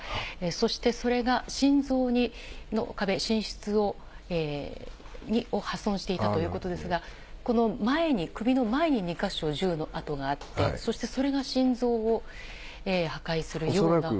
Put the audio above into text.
そして、それが心臓の壁、心室を破損していたということですが、この前に、首の前に２か所、銃の痕があって、そしてそれが心臓を破壊するような。